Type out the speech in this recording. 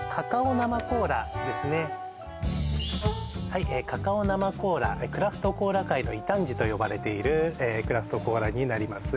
はいカカオ生コーラクラフトコーラ界の異端児と呼ばれているクラフトコーラになります